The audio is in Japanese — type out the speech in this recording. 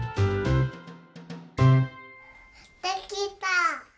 できた！